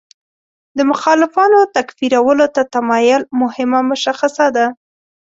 د مخالفانو تکفیرولو ته تمایل مهم مشخصه ده.